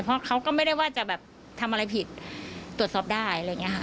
เพราะเขาก็ไม่ได้ว่าจะแบบทำอะไรผิดตรวจสอบได้อะไรอย่างนี้ค่ะ